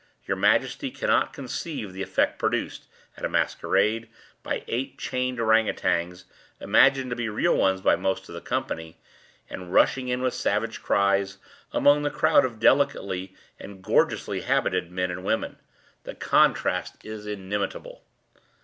Your majesty cannot conceive the effect produced, at a masquerade, by eight chained ourang outangs, imagined to be real ones by most of the company; and rushing in with savage cries, among the crowd of delicately and gorgeously habited men and women. The contrast is inimitable."